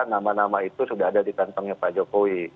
nama nama itu sudah ada di kantongnya pak jokowi